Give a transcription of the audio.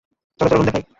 চলে চলো রুম দেখাই।